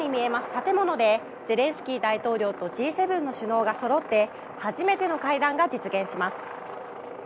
建物でゼレンスキー大統領とＧ７の首脳がそろって初めての会談が実現します。